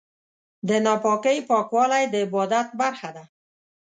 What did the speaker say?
د ناپاکۍ پاکوالی د عبادت برخه ده.